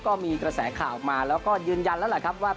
ก็มีกระแสข่าวออกมาแล้วก็ยืนยันแล้วแหละครับว่า